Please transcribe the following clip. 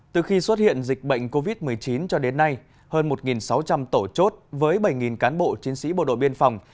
từ khi xuất hiện dịch bệnh covid một mươi chín cho đến nay hơn một sáu trăm linh tổ chốt với bảy cán bộ chiến sĩ bộ đội biên phòng